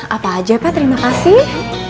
apa aja pak terima kasih